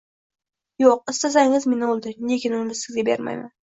Yoʻq, istasangiz meni oʻldiring, lekin uni sizga bermayman!